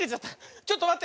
ちょっとまって！